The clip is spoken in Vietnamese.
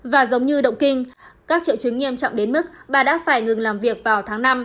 và giống như động kinh các triệu chứng nghiêm trọng đến mức bà đã phải ngừng làm việc vào tháng năm